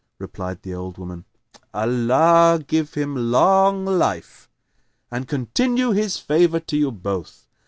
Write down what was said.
Replied the old woman, "Allah give him long life, and continue His favour to you both!